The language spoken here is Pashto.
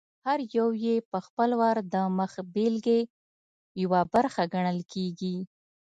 هر یو یې په خپل وار د مخبېلګې یوه برخه ګڼل کېږي.